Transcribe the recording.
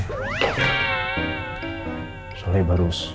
soalnya baru ada kesempatan ngomong sekarang